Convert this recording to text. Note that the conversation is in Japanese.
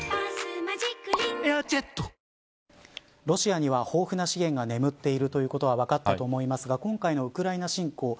ロシアには豊富な資源が眠っているということはわかったと思いますが今回のウクライナ侵攻。